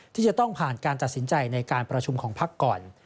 ที่จะต้องผ่านการตัดสินใจในการประชุมของพักก่อน